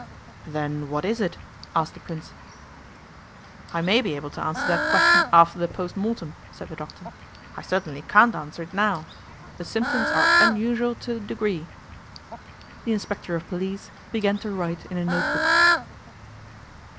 'Then what is it?' asked the Prince. 'I may be able to answer that question after the post mortem,' said the doctor. 'I certainly can't answer it now. The symptoms are unusual to a degree.' The inspector of police began to write in a note book.